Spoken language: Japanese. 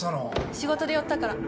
仕事で寄ったから。